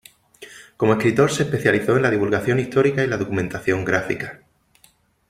Como escritor se especializó en la divulgación histórica y la documentación gráfica.